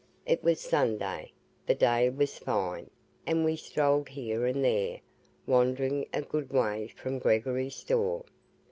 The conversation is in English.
It was Sunday. The day was fine, and we strolled here and there, wandering a good way from Gregory's store.